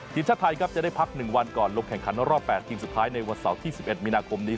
ทีมชาติไทยครับจะได้พัก๑วันก่อนลงแข่งขันรอบ๘ทีมสุดท้ายในวันเสาร์ที่๑๑มีนาคมนี้